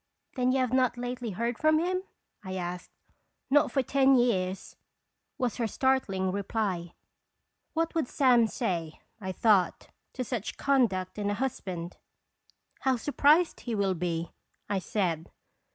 " Then you have not lately heard from him?" I asked. " Not for ten years," was her startling reply. What would Sam say, I thought, to such conduct in a husband !" How surprised he will be," I said.